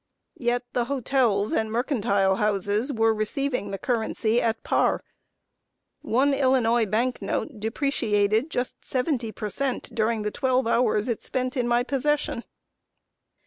Yet the hotels and mercantile houses were receiving the currency at par. One Illinois bank note depreciated just seventy per cent., during the twelve hours it spent in my possession!